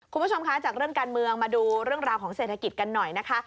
คุณผู้ชมคะจากเรื่องการเมืองมาดูเรื่องราวของเศรษฐกิจกันหน่อยนะคะ